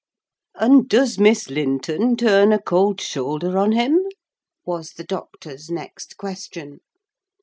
"And does Miss Linton turn a cold shoulder on him?" was the doctor's next question.